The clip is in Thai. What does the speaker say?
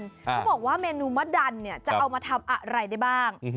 เขาบอกว่าเมนูมะดันจะเอามาทำอะไรเนี่ยได้บ้าง